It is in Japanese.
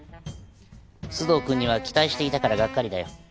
須藤くんには期待していたからガッカリだよ。